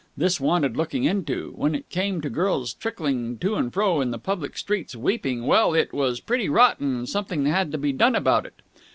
This wanted looking into. When it came to girls trickling to and fro in the public streets, weeping, well, it was pretty rotten and something had to be done about it.